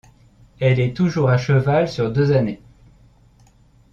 Elle est toujours à cheval sur deux années.